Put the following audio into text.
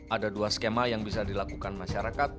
ada dua skema yang bisa dilakukan masyarakat